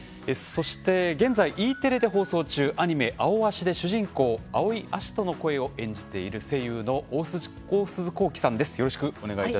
そして、現在Ｅテレで放送中アニメ「アオアシ」で主人公の青井葦人の声を演じている声優の大鈴功起さんです。